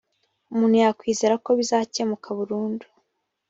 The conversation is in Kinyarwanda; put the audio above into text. umuntu yakwizera ko bizakemuka burundu